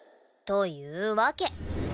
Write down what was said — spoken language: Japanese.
というわけ。